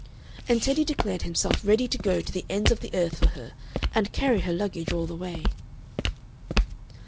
And Teddy declared himself ready to go to the ends of the earth for her, and carry her luggage all the way.